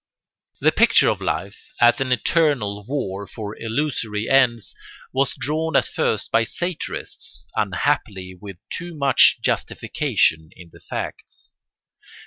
The picture of life as an eternal war for illusory ends was drawn at first by satirists, unhappily with too much justification in the facts.